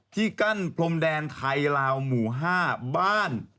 ที่กั้นโพรมแดนไทลาวมูห้าบ้าน